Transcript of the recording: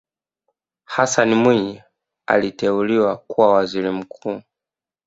hassan mwinyi aliteuliwa kuwa waziri mkuu